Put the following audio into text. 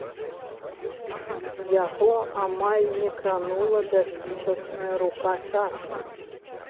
Яго амаль не кранула бязлітасная рука часу.